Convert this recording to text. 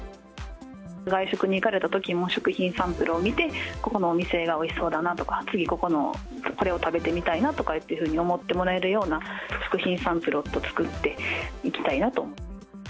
外食に行かれたときも、食品サンプルを見て、ここのお店がおいしそうだなとか、次ここのこれを食べてみたいなっていうふうに思ってもらえるような食品サンプルを作っていきたいなと。